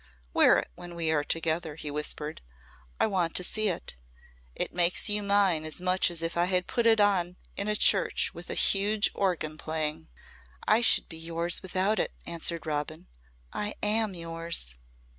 "Wear it when we are together," he whispered. "I want to see it. It makes you mine as much as if I had put it on in a church with a huge organ playing." "I should be yours without it," answered Robin. "I am yours."